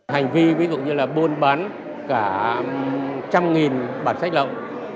hành vi ví dụ như là buôn bán cả một trăm linh bản sách lậu